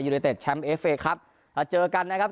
ในเต็ดแชมป์เอฟเฟย์ครับมาเจอกันนะครับ